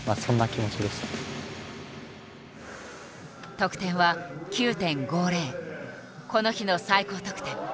得点はこの日の最高得点。